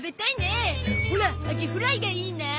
オラアジフライがいいな！